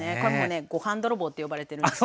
ご飯泥棒って呼ばれてるんですよ。